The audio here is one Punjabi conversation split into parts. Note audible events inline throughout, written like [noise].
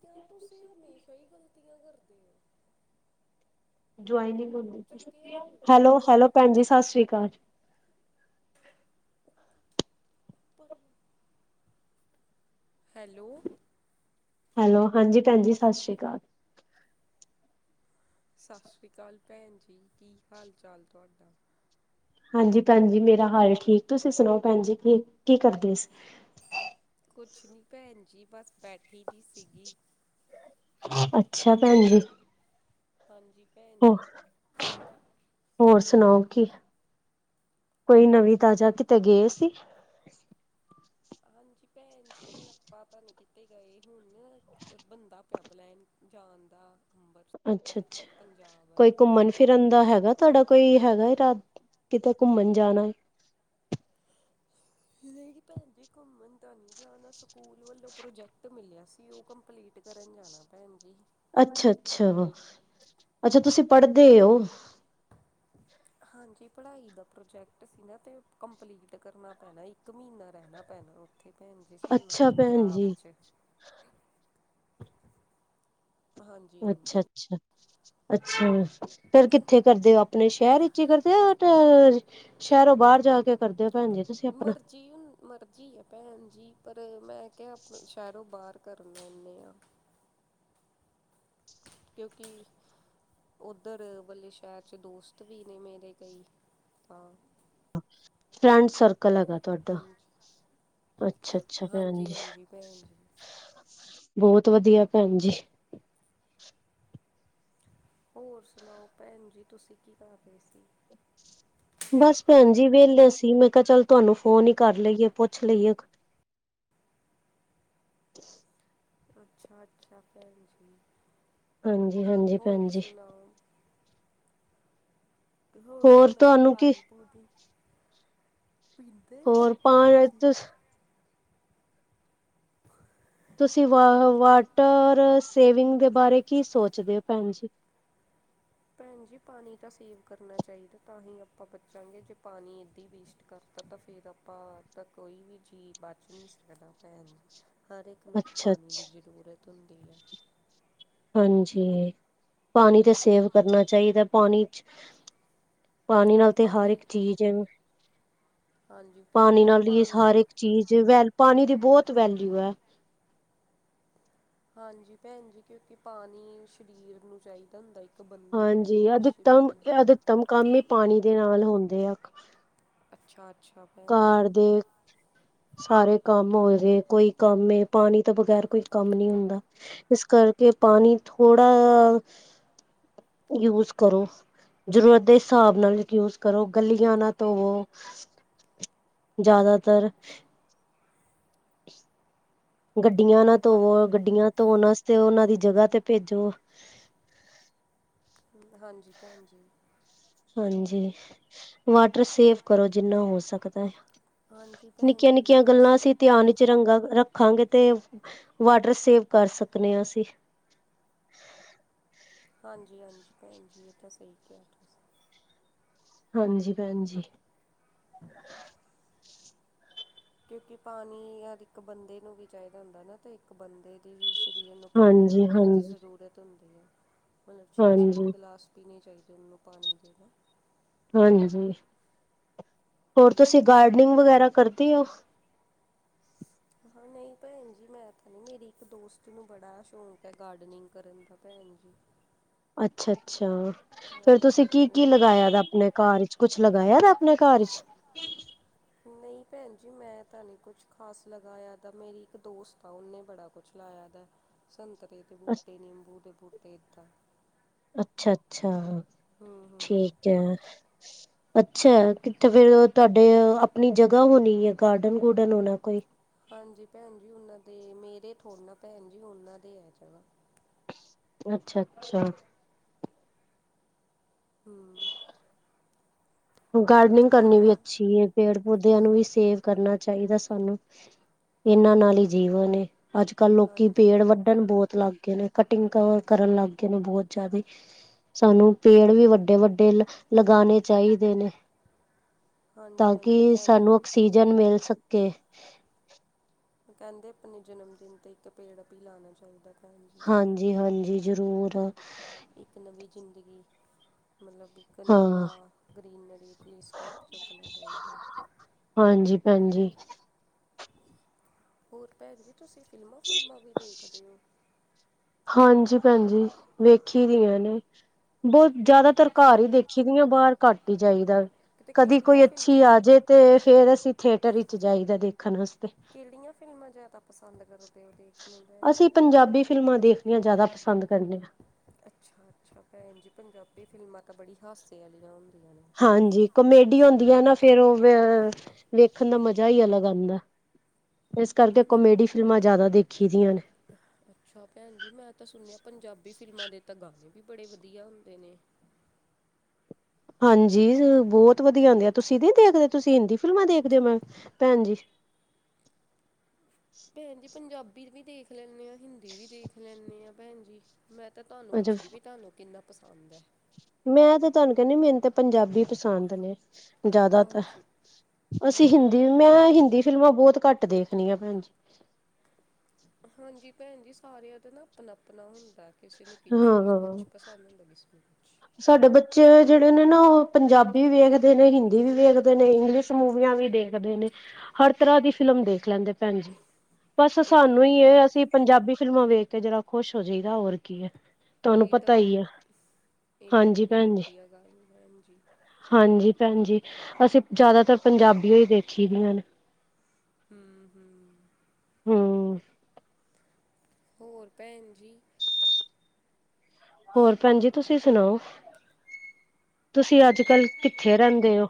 ਕਿਆ ਤੁਸੀਂ, ਹਮੇਸ਼ਾ ਹੀ ਗ਼ਲਤੀਆਂ ਕਰਦੇ ਹੋ? ਚੱਕਿਆ ਨਹੀਂ ਹੈਲੋ- ਹੈਲੋ ਭੈਣ ਜੀ, ਸਤਿ ਸ੍ਰੀ ਅਕਾਲ। ਪਰ ਹੈਲੋ। ਹੈਲੋ, ਹਾਂਜੀ ਭੈਣ, ਜੀ ਸਤਿ ਸ਼੍ਰੀ ਅਕਾਲ। ਸਤਿ ਸ਼੍ਰੀ ਅਕਾਲ, ਭੈਣ ਜੀ, ਕੀ ਹਾਲ ਚਾਲ ਤੁਹਾਡਾ? ਹਾਂਜੀ, ਭੈਣ ਜੀ ਮੇਰਾ ਹਾਲ ਠੀਕ, ਤੁਸੀਂ ਸੁਣਾਓ ਭੈਣ ਜੀ ਕੀ ਕੀ ਕਰਦੇ ਸੀ? ਕੁਛ ਨਹੀਂ ਭੈਣ ਜੀ, ਬਸ ਬੈਠੀ ਦੀ ਸੀਗੀ। ਅੱਛਾ ਭੈਣ ਜੀ। ਹਾਂਜੀ, ਭੈਣ ਹੋ ਜੀ। ਹੋਰ ਸੁਣਾਓ ਕੀ? ਕੋਈ ਨਵੀਂ ਤਾਜ਼ਾ ਕਿਤੇ ਗਏ ਸੀ। ਹਾਂਜੀ ਭੈਣ ਜੀ, ਆਪਾਂ ਤਾਂ ਨਹੀਂ ਕੀਤੇ ਗਏ ਹੁਣ, ਬੰਦਾ। ਕੈਬ ਲੈਨ ਜਾਣ ਦਾ ਅੰਬਰ ਅੱਛਾ- ਅੱਛਾ ਪੰਜਾਬ ਕੋਈ ਵਾਲੀ ਘੁੰਮਣ ਸਾਈਡ ਫਿਰਨ ਦਾ ਹੈਗਾ ਤੁਹਾਡਾ ਕੋਈ ਹੈਗਾ, ਰਾਤ ਕਿਤੇ ਘੁੰਮਣ ਜਾਣਾ ਨਹੀਂ ਭੈਣੰਜੀ ਘੁੰਮਣ ਤਾਂ ਨਹੀਂ ਜਾਣਾ ਸਕੂਲ ਵੱਲੋਂ ਪ੍ਰੋਜੈਕਟ ਮਿਲਿਆ ਸੀ ਉਹ ਕੰਪਲੀਟ। ਕਰਨ ਜਾਣਾ ਭੈਣੰਜੀ ਅੱਛਾ! ਅੱਛਾ! ਵ ਅੱਛਾ ਤੁਸੀਂ ਪੜ੍ਹਦੇ ਹੋ। ਹਾਂਜੀ ਪੜ੍ਹਾਈ ਦਾ ਪ੍ਰੋਜੈਕਟ ਸੀ ਨਾ ਤੇ ਕੰਪਲੀਟ ਕਰਨਾ ਪੈਣਾ ਇੱਕ ਮਹੀਨਾ ਰਹਿਣਾ ਪੈਣਾ ਉ ਕਿੱਥੇ ਭੈਣੰਜੀ ਸਾਨੂੰ ਅੱਛਾ ਭੈਣ ਪੰਜਾਬ ਜੀ ਚ ਹਾਂਜੀ ਅੱਛਾ! ਹਾਂਜੀ ਅੱਛਾ! ਅੱਛਾ ਫਿਰ ਕਿੱਥੇ ਕਰਦੇ ਹੋ ਆਪਣੇ ਸ਼ਹਿਰ ਵਿੱਚ ਹੀ ਕਰਦੇ ਆ। ਤੇ ਸ਼ਹਿਰੋਂ ਬਾਹਰ ਜਾ ਕੇ ਕਰਦੇ ਆ ਭੈਣੰਜੀ ਮਰਜ਼ੀ ਹੁਣ ਮਰਜ਼ੀ ਹੈ ਭੈਣੰਜੀ ਪਰ ਮੈਂ ਕਿਹਾ ਸ਼ਹਿਰੋਂ ਬਾਹਰ ਕਰ ਲੈਂਦੇ ਹਾਂ। ਕਿਉਂਕਿ ਉੱਧਰ ਵਲੇ ਸ਼ਹਿਰ ਚ ਦੋਸਤ ਵੀ ਨੇ ਮੇਰੇ ਕਈ ਹਾਂ। ਫਰੈਂਡ ਸਰਕਲ ਹੈਗਾ ਤੁਹਾਡਾ। ਹਾਂਜੀ ਅੱਛਾ-ਅੱਛਾ ਭੈਣ ਹਾਂਜੀ ਜੀ ਹਾਂਜੀ ਭੈਣੰਜੀ ਬਹੁਤ ਵੱਧੀਆ ਭੈਣੰਜੀ ਹੋਰ ਸੁਣਾਓ ਭੈਣੰਜੀ ਤੁਸੀਂ ਕੀ ਕਰਦੇ ਸੀ। ਬਸ ਭੈਣੰਜੀ ਵੇਹਲੇ ਸੀ ਮੈਂ ਕਿਹਾ ਚੱਲ ਤੁਹਾਨੂੰ ਫੋਨ ਹੀ ਕਰ ਲਈਏ ਪੁੱਛ ਲਈਏ। ਅੱਛਾ! ਅੱਛਾ! ਭੈਣੰਜੀ ਹਾਂਜੀ-ਹਾਂਜੀ ਹੋਰ ਭੈਣ ਜੀ ਸੁਣਾਓ। ਹੋਰ ਸੁਣਾਓ ਤੁਹਾਨੂੰ ਕੀ ਪਾਣੀ ਪਉਦੇ ਪੀਂਦੇ ਹੋਰ ਪਾ ਭੈਣੰਜੀ ਤੁਸੀਂ ਵਾਹ ਵਾਟਰ ਸੇਵਿੰਗ ਦੇ ਬਾਰੇ ਕੀ ਸੋਚਦੇ ਹੋ ਭੈਣੰਜੀ ਭੈਣੰਜੀ ਪਾਣੀ ਤਾਂ ਸੇਵ ਕਰਨਾ ਚਾਹੀਦਾ ਤਾਂ ਹੀ ਆਪਾਂ ਬਚਾਂਗੇ ਜੇ ਪਾਣੀ ਇੱਦਾਂ ਹੀ ਵੇਸਟ ਕਰ ਤਾਂ ਤਾਂ ਫਿਰ ਆਪਾਂ ਤਾਂ ਕੋਈ ਵੀ ਜੀਅ ਬਚ ਨਹੀਂ ਸਕਦਾ ਭੈਣ ਜੀ। ਹਰ ਇੱਕ ਨੂੰ ਪਾਣੀ ਅੱਛਾ-ਅੱਛਾ ਦੀ ਜ਼ਰੂਰਤ ਹੁੰਦੀ ਹੈਂ। ਹਾਂਜੀ ਪਾਣੀ ਤਾਂ ਸੇਵ ਕਰਨਾ ਚਾਹੀਦਾ ਪਾਣੀ ਚ। ਪਾਣੀ ਨਾਲ ਤੇ ਹਰ ਪਾਣੀ ਇੱਕ ਚੀਜ਼ ਹਾਂਜੀ ਕਿਉਂਕਿ ਪਾਣੀ ਨਾ ਨਾਲ ਹੀ ਪਾਣੀ ਹਰ ਇੱਕ ਚੀਜ਼ ਵੈ ਪਾਣੀ ਦੀ ਬਹੁਤ ਵੈਲਿਊ ਹੈ। ਹਾਂਜੀ ਭੈਣੰਜੀ ਕਿਉਂਕਿ ਪਾਣੀ ਸਰੀਰ ਨੂੰ ਚਾਹੀਦਾ ਹੁੰਦਾ। ਬੰਦੇ ਹਾਂਜੀ ਦੀ ਅਧਿਕਤਮ ਸਰੀਰ ਨੂੰ ਅਧਿਕਤਮ ਕੰਮ ਹੀ ਪਾਣੀ ਦੇ ਨਾਲ ਹੁੰਦੇ ਆ। ਅੱਛਾ! ਅੱਛਾ! ਭੈਣ ਜੀ ਘਾਰ ਦੇ ਸਾਰੇ ਕੰਮ ਹੋਏ ਗਏ ਕੋਈ। ਕਾੰਮੇ ਪਾਣੀ ਤਾਂ ਬਗ਼ੈਰ ਕੋਈ ਕੰਮ ਨੀ ਹੁੰਦਾ। ਇਸ ਕਰਕੇ ਪਾਣੀ ਥੋੜ੍ਹਾ ਯੂਜ ਕਰੋ। ਜ਼ਰੂਰਤ ਦੇ ਹਿਸਾਬ ਨਾਲ ਯੂਜ ਕਰੋ ਗੱਲੀਆਂ ਨਾ ਧੋਵੋ। ਜ਼ਿਆਦਾਤਰ ਗੱਡੀਆਂ ਨਾ ਹਾਂ ਧੋਵੋ ਗੱਡੀਆਂ ਧੋਣ ਵਾਸਤੇ ਉਹਨਾਂ ਦੀ ਜਗ੍ਹਾ ਤੇ ਭੇਜੋ। ਹਾਂਜੀ ਭੈਣੰਜੀ ਹਾਂਜੀ ਵਾਟਰ ਸੇਵ ਕਰੋ ਜਿੰਨਾ ਹੋ ਸਕਦਾ ਹੈ। ਹਾਂਜੀ ਭੈਣ ਨਿੱਕੀਆਂ ਜੀ ਨਿੱਕੀਆਂ ਗੱਲਾਂ ਵੈਸੇ ਅਸੀਂ ਧਿਆਨ ਚਿਰੰਗਾ ਰੱਖਾਂਗੇ ਤੇ ਵਾਟਰ ਸੇਵ ਕਰ ਸਕਦੇ ਹਾਂ ਅਸੀਂ। ਹਾਂਜੀ ਹਾਂਜੀ ਭੈਣੰਜੀ ਇਹ ਤਾਂ ਸਹੀ ਕਿਹਾ। ਤੁਸੀਂ ਹਾਂਜੀ ਭੈਣੰਜੀ ਕਿਉਂਕਿ ਪਾਣੀ ਹਰ ਇੱਕ ਬੰਦੇ ਨੂੰ ਵੀ ਚਾਹੀਦਾ ਹੁੰਦਾ ਨਾ ਤੇ ਇੱਕ ਬੰਦੇ ਤੇ ਸਰੀਰ ਨੂੰ ਪਾਣੀ ਹਾਂਜੀ ਦੀ ਹਾਂਜੀ ਜ਼ਰੂਰਤ ਹੁੰਦੀ ਹੈ ਮਤਲਬ ਛੇ ਸੱਤ ਹਾਂਜੀ ਗਲਾਸ। ਪੀਣੇ ਚਾਹੀਦੇ ਉਹਨੂੰ ਪਾਣੀ ਦੇ ਹਾਂਜੀ ਹੋਰ ਤੁਸੀਂ ਗਾਰਡਨਿੰਗ ਵਗੈਰਾ ਕਰਦੀ ਹੋ। ਹਾਂ ਨਹੀਂ ਭੈਣੰਜੀ ਮੈਂ ਤਾਂ ਨਹੀਂ ਮੇਰੀ ਇੱਕ ਦੋਸਤ ਨੂੰ ਬੜਾ ਸ਼ੌਂਕ ਹੈ ਗਾਰਡਨਿੰਗ ਕਰਨ ਦਾ ਭੈਣੰਜੀ ਅੱਛਾ ਅੱਛਾ ਫੇਰ ਤੁਸੀਂ ਹਾਂਜੀ ਕੀ ਕੀ ਉਹੀ ਲਗਾਇਆ ਕਰਦਾ ਆਪਣੇ ਘਰ। ਕੁਛ ਲਗਾਇਆ ਵਾ ਆਪਣੇ ਘਰ ਚ। ਨਹੀਂ ਭੈਣ ਜੀ ਮੈਂ ਤਾਂ ਨਹੀਂ ਕੁਛ ਖਾਸ ਲਗਾਇਆ, ਤਾਂ ਮੇਰੀ ਇੱਕ ਦੋਸਤ ਤਾਂ ਉਨੇ ਬੜਾ ਕੁਛ ਲਾਇਆ ਦਾ, ਸੰਤਰੇ ਦੇ ਬੂਟੇ, ਨਿੰਬੂ ਦੇ ਬੂਟੇ, ਇੱਦਾਂ ਅੱਛਾ ਅੱਛਾ ਹੂੰ ਹੂੰ ਠੀਕ ਹੈ। ਅੱਛਾ ਕਿੱਥੇ ਫਿਰ ਤੁਹਾਡੇ ਆਪਣੀ ਜਗ੍ਹਾ ਹੋਣੀ ਹੈ, ਗਾਰਡਨ ਗੂਡਨ ਹੋਣਾ ਕੋਈ। ਹਾਂਜੀ ਭੈਣ ਜੀ ਉਹਨਾਂ ਦੇ, ਮੇਰੇ ਥੋੜੇ ਨਾ ਭੈਣ ਜੀ, ਉਹਨਾਂ ਦੇ ਹੈ ਜਗ੍ਹਾ। ਅੱਛਾ ਅੱਛਾ। ਹੂ ਗਾਰਡਨਿੰਗ ਹੋਰ ਕਰਨੀ ਵੀ ਭੈਣ ਅੱਛੀ ਏ, ਪੇੜ ਪੌਦਿਆਂ ਨੂੰ ਹੂੰ ਵੀ ਸੇਫ ਕਰਨਾ ਚਾਹੀਦਾ ਸਾਨੂੰ, ਇਹਨਾਂ ਨਾਲ ਹੀ ਜੀਵਨ ਏ, ਅੱਜ ਕੱਲ੍ਹ ਲੋਕੀ ਹਾਂਜੀ ਪੇੜ ਵੱ ਕੱਢਣ ਬਹੁਤ ਲੱਗ ਗਏ ਨੇ, ਕਟਿੰਗ ਕਰਨ ਲੱਗ ਗਏ ਨੇ ਬਹੁਤ ਜ਼ਿਆਦਾ। ਸਾਨੂੰ ਪੇੜ ਵੀ ਵੱਡੇ ਵੱਡੇ ਲਗਾਣੇ ਚਾਹੀਦੇ ਨੇ। ਹਾਂਜੀ ਤਾਂ ਹਾਂਜੀ ਕਿ ਕਹਿੰ ਸਾਨੂੰ ਆਕਸੀਜਨ ਮਿਲ ਸਕੇ। ਕਹਿੰਦੇ, ਆਪਣੇ ਜਨਮਦਿਨ 'ਤੇ ਇੱਕ ਪੇੜ ਵੀ ਲਾਣਾ ਚਾਹੀਦਾ। ਭੈਣ ਜੀ ਹਾਂਜੀ ਹਾਂਜੀ ਜ਼ਰੂਰ। ਇੱਕ ਨਵੀਂ ਜ਼ਿੰਦਗੀ, ਮਤਲਬ ਇੱਕ ਨਵਾ ਹਾਂ ਗ੍ਰੀਨਰੀ ਦਾ, ਸਟੈਪ ਚੁੱਕਣਾ ਚਾਹੀਦਾ। ਹਾਂਜੀ ਭੈਣਜੀ। ਹੋਰ ਭੈਣ ਜੀ, ਤੁਸੀਂ ਫਿਲਮਾਂ ਫੁਲਮਾਂ ਵੀ ਦੇਖਦੇ ਹੋ। ਹਾਂਜੀ ਭੈਣਜੀ, ਵੇਖੀ ਦੀਆਂ ਨੇ। ਬਹੁਤ ਜ਼ਿਆਦਾਤਰ ਘਰ ਅੱਛਾ ਹੀ ਦੇਖੀ ਦੀ ਆ, ਬਾਹਰ ਘੱਟ ਹੀ ਜਾਈਦਾ। ਕਿਤੇ ਕਦੀ ਕੋਈ ਕਿਹੜੀਆਂ ਫਿਲਮ ਅੱਛੀ ਆ ਜਾਏ, ਤੇ ਫੇਰ ਅਸੀਂ ਥੀਏਟਰ ਵਿਚ ਜਾਈਦਾ ਦੇਖਣ ਵਾਸਤੇ। ਕਿਹੜੀਆਂ ਫਿਲਮਾਂ ਜ਼ਿਆਦਾ ਪਸੰਦ ਕਰੋ। ਅਸੀਂ ਪੰਜਾਬੀ ਫਿਲਮਾਂ ਦੇਖਣੀਆਂ, ਜ਼ਿਆਦਾ ਪਸੰਦ ਕਰਨੇ ਹਾਂ। ਅੱਛਾ ਅੱਛਾ, ਭੈਣ ਜੀ ਪੰਜਾਬੀ ਫਿਲਮਾਂ ਤਾਂ ਬੜੀ ਹਾਸੇ ਵਾਲੀਆਂ ਹੁੰਦੀਆਂ ਨੇ। ਹਾਂਜੀ ਕਾਮੇਡੀ ਹੁੰਦੀ ਆਂ ਨਾ, ਫੇਰ ਉਹ। ਵੇਖਣ ਦਾ ਮਜ਼ਾ ਹੀ ਅਲੱਗ ਆਉਂਦਾ, ਇਸ ਕਰਕੇ ਕੋਮੇਡੀ ਫਿਲਮਾਂ ਜ਼ਿਆਦਾ ਦੇਖੀ ਦੀਆਂ ਨੇ। ਅੱਛਾ ਭੈਣ ਜੀ ਮੈਂ ਤਾਂ ਸੁਣਿਆ, ਪੰਜਾਬੀ ਫਿਲਮਾਂ ਦੇ ਤਾਂ ਗਾਣੇ ਵੀ ਬੜੇ ਵਧੀਆ ਹੁੰਦੇ ਨੇ। ਹਾਂਜੀ ਬਹੁਤ ਵਧੀਆ ਹੁੰਦੀ ਆ, ਤੁਸੀਂ ਨਹੀਂ ਦੇਖਦੇ, ਤੁਸੀਂ ਹਿੰਦੀ ਫਿਲਮਾਂ ਦੇਖਦੇ ਹੋ ਮੈਂ ਭੈਣ ਜੀ। ਭੈਣ ਜੀ ਪੰਜਾਬੀ ਵੀ ਦੇਖ ਲੈਂਦੇ ਹਾਂ, ਹਿੰਦੀ ਵੀ ਦੇਖ ਲੈਂਦੇ ਹਾਂ ਭੈਣ ਜੀ। ਮੈਂ ਤਾਂ ਤੁਹਾਨੂੰ ਅੱਛਾ ਪੁੱਛਦੀ ਵੀ, ਤੁਹਾਨੂੰ ਕਿੰਨਾ ਪਸੰਦ ਹੈ। ਮੈਂ ਤੇ ਤੁਹਾਨੂੰ ਕਹਿੰਦੀ, ਮੈਨੂੰ ਤਾਂ ਪੰਜਾਬੀ ਪਸੰਦ ਨੇ ਜ਼ਿਆਦਾਤਰ, ਹਾਂਜੀ ਅਸੀਂ ਹਾਂਜੀ ਹਿੰਦੀ, ਮੈਂ ਹਿੰਦੀ ਫਿਲਮਾਂ ਬਹੁਤ ਘੱਟ ਦੇਖਣੀਆਂ ਭੈਣ ਜੀ ਹਾਂਜੀ ਭੈਣ ਜੀ ਸਾਰਿਆਂ ਦਾ ਨਾ ਆਪਣਾ-ਆਪਣਾ ਹੁੰਦਾ, ਕਿਸੇ ਨੂੰ ਕਿਛ ਹਾਂ ਕੁਛ ਪਸ ਤੱਲਣ ਲਗੀ ਸੀ ਕੂਛ ਸਾਡੇ ਬੱਚੇ ਜਿਹੜੇ ਨੇ ਨਾ, ਉਹ ਪੰਜਾਬੀ ਵੀ ਵੇਖਦੇ ਨੇ, ਹਿੰਦੀ ਵੀ ਵੇਖਦੇ ਨੇ, ਇੰਗਲਿਸ਼ ਮੂਵੀਆਂ ਵੀ ਦੇਖਦੇ ਕਦੇ, ਹਰ ਤਰ੍ਹਾਂ ਦੀ ਫਿਲਮ ਦੇਖ ਲੈਂਦੇ, ਭੈਣ ਜੀ ਬਸ ਇਹ ਤਾਂ ਸਾਨੂੰ ਹੀ ਇਹ ਅਸੀਂ ਪੰਜਾਬੀ ਫਿਲਮਾਂ ਵੇਖ ਕੇ ਜਰਾ ਖੁਸ਼ ਹੋ ਜਾਈਦਾ, ਹੋਰ ਕੀ ਹੈ, ਤੁਹਾਨੂੰ ਇਹ ਤਾਂ ਪਤਾ ਬੜੀ ਹੀ ਆ ਇਹ ਤਾਂ ਬੜੀ ਵਧੀਆ ਗੱਲ ਹੈ, ਹੰਜੀ ਹਾਂਜੀ ਭੈਣ ਜੀ, ਅਸੀਂ ਜ਼ਿਆਦਾਤਰ ਪੰਜਾਬੀ ਓ ਦੇਖੀ ਦਿਆਂ ਨੇ। ਹੂ ਹੂ ਹਮ ਹੋਰ ਭੈਣ ਜੀ। ਹੋਰ ਭੈਣ ਜੀ ਤੁਸੀਂ ਸੁਣਾਓ, ਤੁਸੀਂ ਅੱਜ ਹਾਂ ਕੱਲ ਕਿੱਥੇ ਰਹਿੰਦੇ ਹੋ।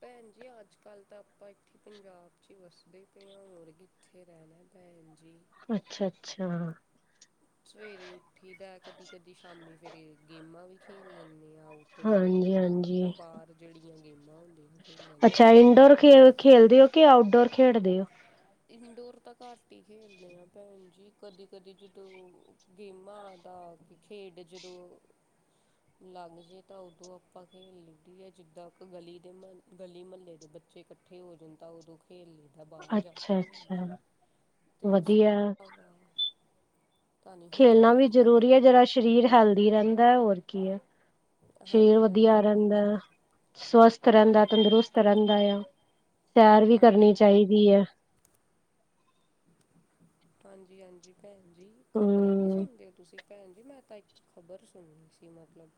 ਭੈਣ ਜੀ ਅੱਜ ਕੱਲ੍ਹ ਤਾਂ ਆਪਾਂ ਇੱਥੇ ਪੰਜਾਬ 'ਚ ਹੀ ਵੱਸਦੇ ਹੀ ਪਏ ਹਾਂ ਹੋਰਗੇ। ਉੱਥੇ ਰਹਿਣਾ ਭੈਣਜੀ। ਅੱਛਾ ਅੱਛਾ। ਸਵੇਰੇ ਉੱਠੀ ਦਾ, ਕਦੀ ਕਦੀ ਸ਼ਾਮੀ ਫੇਰ ਗੇਮਾਂ ਵੀ ਖੇਡ ਖੇਡ ਲੈਨੇ ਆਂ, ਆਉਟਡੋਰ ਹਾਂਜੀ ਗੇਮਾਂ ਨਾ, ਹਾਂਜੀ ਬਾਹਰ ਜਹੜੀਆਂ ਗੇਮਾਂ ਹੁੰਦੀਆਂ। ਖੇਲਣ ਅੱਛਾ ਵਾਲੀਆਂ। ਇੰਡੋਰ ਖੇਡਦੇ ਹੋ, ਕਿ ਆਊਟਡੋਰ ਖੇਡਦੇ ਹੋ। ਇਨਡੋਰ ਤਾਂ ਘੱਟ ਹੀ ਖੇਲਦੇ ਹਾਂ ਭੈਣ ਜੀ ਕਦੀ ਕਦੀ ਜਦੋਂ ਗੇਮਾਂ ਦਾ ਖੇਡ ਜਦੋਂ ਲੱਗ ਜੇ ਤਾਂ ਉਦੋਂ ਆਪਾਂ ਖੇਲ ਲੈਂਦੀ ਆ ਜਿੱਦਾਂ ਗਲੀ ਦੇ ਮ ਗਲੀ ਮਹੱਲੇ ਦੇ ਬੱਚੇ। ਬੱਚੇ ਇਕੱਠੇ ਹੋ ਜਾਣ ਤਾਂ ਉਦੋਂ ਖੇਲ ਲਈਦਾ ਬਾਹਰ ਜਾ ਕੇ ਅੱਛਾ ਅੱਛਾ ਤੇ ਉਸ ਵਧੀਆ ਤਾਂ ਨਹੀਂ ਹੁੰਦਾ ਖੇਲਣਾ ਵੀ ਖੇਡ ਭੈਣ ਜ਼ਰੂਰੀ ਹੈ ਜੀ ਜਿਹੜਾ ਸਰੀਰ ਹੈਲਦੀ ਰਹਿੰਦਾ ਹੋਰ ਕੀ ਹੈ ਫੇਰ ਹਾਂਜੀ ਵਧੀਆ ਹਾਂਜੀ ਭੈਣ ਰਹਿੰਦਾ ਜੀ ਸਵਸਥ ਰਹਿੰਦਾ ਤੰਦਰੁਸਤ ਰਹਿੰਦਾ ਆ ਸੈਰ ਵੀ ਹਾਂਜੀ ਕਰਨੀ ਚਾਹੀਦੀ ਹੈ ਹਾਂਜੀ-ਹਾਂਜੀ ਭੈਣ ਜੀ ਖਬਰਾਂ ਵੀ ਹਮ ਸੁਣਦੇ ਹੋ ਤੁਸੀਂ ਭੈਣ ਜੀ ਮੈਂ ਤਾਂ ਇੱਕ ਖ਼ਬਰ ਸੁਣਣੀ ਸੀ ਮਤਲਬ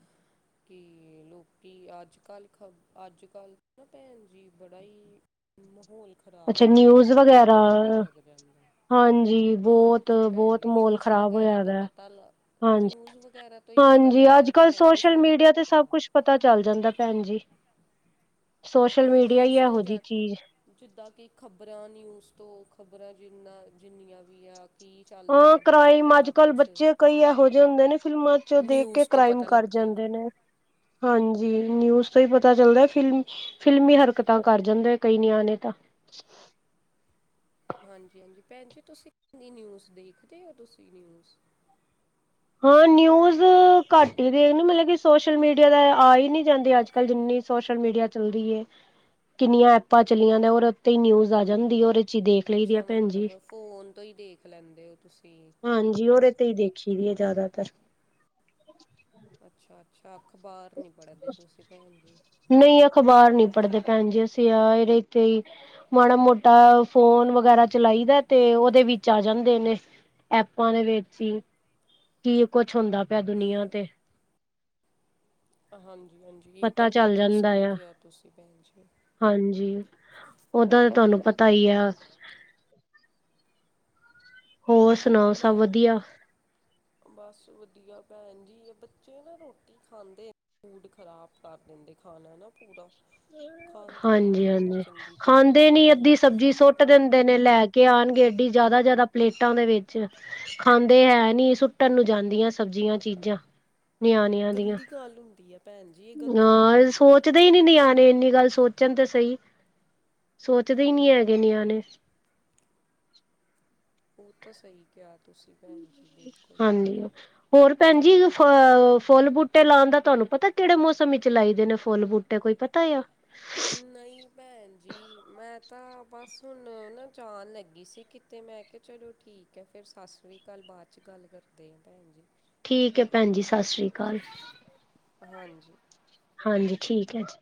ਕਿ ਲੋਕੀ ਅੱਜ ਕੱਲ੍ਹ ਖ, ਅੱਜ ਕੱਲ੍ਹ ਨਾ ਭੈਣ ਜੀ ਬੜਾ ਹੀ ਮਾਹੌਲ ਅੱਛਾ ਖ਼ਰਾਬ ਹੋ ਗਿਆ ਨਿਊਜ਼ ਖ਼ਬਰਾਂ ਵਗੈਰਾ ਤੋਂ ਪਤਾ ਹੀ ਲੱਗ ਜਾਂਦਾ ਹਾਂਜੀ ਹਾਂ ਭੈਣ ਬਹੁਤ-ਬਹੁਤ ਜੀ ਮ੍ਹੋਲ ਨਿਊਜ਼ ਖ਼ਰਾਬ ਵਗੈਰਾ ਹੋਇਆ ਤੋਂ ਦਾ ਪਤਾ ਲ ਨਿਊਜ਼ ਵਗੈਰਾ ਤੋਂ ਹੀ ਪਤਾ ਹਾਂਜੀ-ਹਾਂਜੀ ਲੱਗਦਾ ਅੱਜ ਹੈ ਕੱਲ੍ਹ ਭੈਣ ਜੀ ਸੋਸ਼ਲ ਸਾਰੀ ਮੀਡੀਆ ਤੇ ਸਭ ਦਾ ਕੁਛ ਪਤਾ ਚੱਲ ਜਾਂਦਾ ਭੈਣ ਜੀ ਸੋਸ਼ਲ ਹਾਂ ਮੀਡੀਆ ਨਿਊਜ਼ ਹੈ ਤੋਂ ਇਹੋ ਜਿਹੀ ਜਾ ਚੀਜ਼ ਜਿੱਦਾਂ ਕਿ ਖਬਰਾਂ ਨਿਊਜ਼ ਤੋਂ ਖਬਰਾਂ ਜਿੰਨਾ ਜਿੰਨੀਆਂ ਵੀ ਆ ਕੀ ਚੱਲਦਾ ਹਾਂ ਪਿਆ ਦੁਨੀਆਂ ਕਰਾਇਮ ਤੇ ਅੱਜ ਸਭ ਕੱਲ ਕੁਛ ਬੱਚੇ ਕਈ ਇਹੋ ਜਿਹੇ ਹੁੰਦੇ ਨੇ ਫਿਲਮਾਂ ਚ ਦੇਖ ਕੇ ਨਿਊਜ਼ ਤੋਂ ਕ੍ਰਾਇਮ ਪਤਾ ਕਰ ਲੱਗਦਾ ਜਾਂਦੇ ਨੇ ਹਾਂਜੀ ਨਿਊਜ਼ ਤੋਂ ਹੀ ਪਤਾ ਚੱਲਦਾ ਫਿਲ ਫ਼ਿਲਮੀ ਹਰਕਤਾਂ ਕਰ ਜਾਂਦੇ ਹੈ ਕਈ ਨਿਆਂਣੇ ਤਾਂ [unintelligible] ਹਾਂਜੀ-ਹਾਂਜੀ ਭੈਣ ਜੀ ਤੁਸੀਂ ਨਿਊਜ਼ ਦੇਖਦੇ ਹੋ ਤੁਸੀਂ ਨਿਊਜ਼ ਹਾਂ ਨਿਊਜ਼ ਘੱਟ ਹੀ ਦੇਖ ਮਤਲਬ ਕਿ ਸੋਸ਼ਲ ਮੀਡੀਆ ਦਾ ਆ ਹੀ ਨਹੀਂ ਜਾਂਦੇ ਅੱਜ ਕੱਲ ਜਿੰਨੀ ਸੋਸ਼ਲ ਮੀਡੀਆ ਚੱਲਦੀ ਏ ਕਿੰਨੀਆਂ ਐਪਾਂ ਚਲੀਆਂ ਨੇ ਰ ਉੱਦੇ ਤੇ ਹੀ ਨਿਊਜ਼ ਆ ਜਾਂਦੀ ਔਰ ਅੱਛਾ ਮਤਲਬ ਫੋਨ ਤੋਂ ਹੀ ਦੇਖ ਲੈਂਦੇ ਓ ਤੁਸੀਂ ਹਾਂਜੀ ਔਰੇ ਹੀ ਦੇਖੀ ਦੀ ਹੈ ਅੱਛਾ ਜ਼ਿਆਦਾਤਰ ਅੱਛਾ-ਅੱਛਾ ਅਖ਼ਬਾਰ ਨਹੀਂ ਪੜ੍ਹਦੇ ਤੁਸੀਂ ਭੈਣ ਜੀ ਨਹੀਂ ਅ ਅਖ਼ਬਾਰ ਨੀ ਪੜ੍ਹਦੇ ਭੈਣ ਜੀ ਅਸੀਂ ਯ ਇਹਦੇ ਇੱ ਤੇ ਹੀ ਮਾੜਾ ਮੋਟਾ ਫੋਨ ਵਗੈਰਾ ਚਲਾਈ ਦਾ ਤੇ ਉਹਦੇ ਵਿੱਚ ਆ ਜਾਂਦੇ ਨੇ ਐਪਾਂ ਦੇ ਵਿੱਚ ਹੀ ਕੀ ਕੁਛ ਹੁੰਦਾ ਪਿਆ ਦੁਨੀਆਂ ਤੇ ਹਾਂਜੀ-ਹਾਂਜੀ ਇਹ ਤਾਂ ਪਤਾ ਚੱਲ ਬਿਲਕੁਲ ਜਾਂਦਾ ਸਹੀ ਆ ਕਿਹਾ ਤੁਸੀਂ ਭੈਣ ਜੀ ਹਾਂਜੀ ਉਹਦਾ ਤਾਂ ਤੁਹਾਨੂੰ ਪਤਾ ਈ ਐ ਹੋਰ ਸੁਣਾਓ ਸਭ ਮੈਂ ਵਧੀਆ। ਬਸ ਵਧੀਆ ਭੈਣ ਜੀ ਆ ਬੱਚੇ ਨਾ ਰੋਟੀ ਖਾਂਦੇ। ਫੂਡ ਖ਼ਰਾਬ ਕਰ ਦਿੰਦੇ ਖਾਣਾ ਨਾ ਪੂਰਾ। ਖਾਂਦੇ ਨਹੀਂ ਖਾਣਾ ਹਾਂਜੀ-ਹਾਂਜੀ ਚੰਗੀ ਖਾਂਦੇ ਤਰੀਕੇ ਨੀ ਨਾਲ ਅੱਧੀ ਸਬਜ਼ੀ ਸੁੱਟ ਦਿੰਦੇ ਨੇ ਲੈ ਕੇ। ਕੇ ਆਉਣਗੇ ਐਡੀ ਜਿਆਦਾ ਜਿਆਦਾ ਪਲੇਟਾਂ ਦੇ ਵਿੱਚ। ਖਾਂਦੇ ਹੈ ਨੀ ਸੁੱਟਣ ਨੂੰ ਜਾਂਦੀਆਂ ਸਬਜ਼ੀਆਂ ਚੀਜ਼ਾਂ ਨਿਆਣਿਆਂ ਦੀਆਂ। ਗੰਦੀ ਗੱਲ ਹੁਂਦੀ ਹੈ ਭੈਣ ਜੀ ਇਹ ਗ਼ਲਤ ਗੱਲ ਹਾਂ ਹੁੰਦੀ ਹੈ ਸੋਚਦੇ ਹੀ ਨੀ ਨਿਆਣੇ ਇੰਨੀ ਗੱਲ ਸੋਚ ਚਨ ਤਾਂ ਸਹੀ ਸੋਚਦੇ ਹੀ ਨਹੀਂ ਹੈਗੇ ਹਮ ਨਿਆਂਣੇ ਉਹ ਤਾਂ ਸਹੀ ਕਿਹਾ ਤੁਸੀਂ ਭੈਣ ਜੀ ਬਿਲਕੁਲ ਨਹੀਂ ਓ ਹੋਰ ਭੈਣ ਜੀ ਫ ਫੁੱਲ ਬੂਟੇ ਲਾਉਣ ਦਾ ਤੁਹਾਨੂੰ ਪਤਾ ਕਿਹੜੇ ਮੌਸਮ ਵਿੱਚ ਲਾਈਦੇ ਨੇ ਫੁੱਲ ਬੂਟੇ ਕੋਈ ਪਤਾ [unintelligible] ਨਹੀਂ ਭੈਣ ਜੀ ਮੈਂ ਤਾਂ ਬਸ ਹੁਣ ਨਾ ਜਾਣ ਲੱਗੀ ਸੀ ਕਿਤੇ ਮੈਂ ਚਲੋ ਠੀਕ ਹੈ ਫਿਰ ਸਤਿ ਸ੍ਰੀ ਅਕਾਲ ਬਾਦ 'ਚ ਗੱਲ ਕਰਦੇ ਹਾਂ ਭੈਣ ਜੀ ਠੀਕ ਹੈ ਭੈਣ ਜੀ ਸਤਿ ਸ਼੍ਰੀ ਅਕਾਲ ਹਾਂਜੀ ਹਾਂਜੀ ਠੀਕ ਹੈ ਜੀ